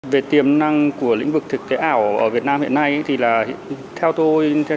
về tiềm năng của lĩnh vực thực tế ảo ở việt nam hiện nay thì là theo tôi